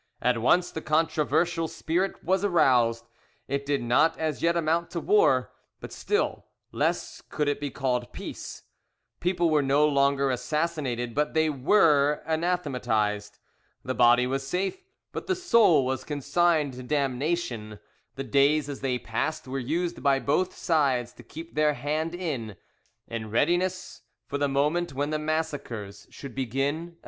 At once the controversial spirit was aroused; it did not as yet amount to war, but still less could it be called peace: people were no longer assassinated, but they were anathematised; the body was safe, but the soul was consigned to damnation: the days as they passed were used by both sides to keep their hand in, in readiness for the moment when the massacres should again begin.